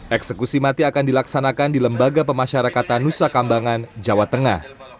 eksekusi mati akan dilaksanakan di lembaga pemasyarakatan nusa kambangan jawa tengah